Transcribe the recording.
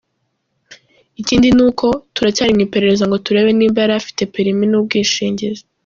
Ikindi n’uko “turacyari mu iperereza ngo turebe niba yari afite perimi n’ubwishingizi.